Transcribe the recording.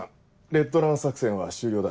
レッドラン作戦は終了だ。